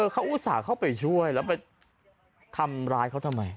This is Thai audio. เขาอุตส่าห์เข้าไปช่วยแล้วไปทำร้ายเขาทำไม